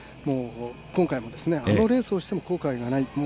今回もあのレースをしても後悔がない。